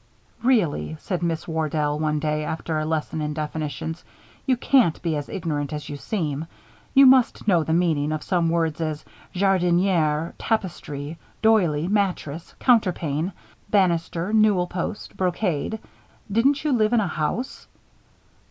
"Really," said Miss Wardell, one day, after a lesson in definitions, "you can't be as ignorant as you seem. You must know the meaning of such words as jardinière, tapestry, doily, mattress, counterpane, banister, newel post, brocade. Didn't you live in a house?"